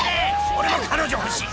俺も彼女欲しい